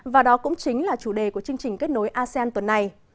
và đó cũng chính là chủ đề của chương trình kết nối asean tuần này